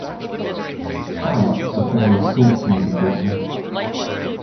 Power-ups of various sorts may be bought there.